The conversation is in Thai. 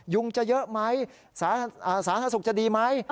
ยุงจะเยอะไหมสาธารณสุขจะดีไหม